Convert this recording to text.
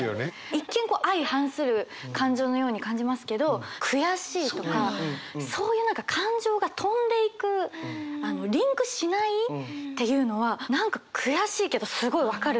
一見相反する感情のように感じますけど「悔しい」とかそういう何か感情が飛んでいくリンクしないっていうのは何か悔しいけどすごい分かるので。